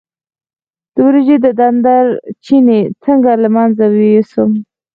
د وریجو د ډنډر چینجی څنګه له منځه یوسم؟